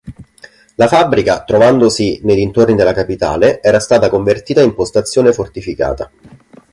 La fabbrica, trovandosi nei dintorni della capitale, era stata convertita in postazione fortificata.